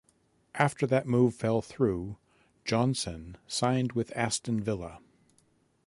After that move fell through, Johnsen signed with Aston Villa.